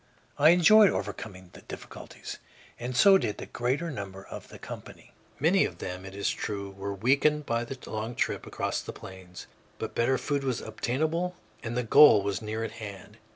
I enjoyed overcoming the difficulties, and so did the greater number of the company. Many of them, it is true, were weakened by the long trip across the Plains; but better food was obtainable, and the goal was near at hand.